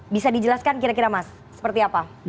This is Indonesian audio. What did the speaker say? bisa dijelaskan kira kira mas seperti apa